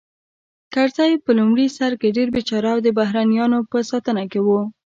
کرزی په لومړي سر کې ډېر بېچاره او د بهرنیانو په ساتنه کې و